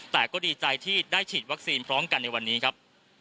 แต่ก็ดีใจที่ได้ฉีดวัคซีนพร้อมกันในวันนี้ครับ